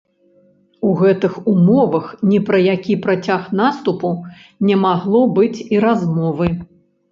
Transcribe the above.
У гэтых умовах ні пра які працяг наступу не магло быць і размовы.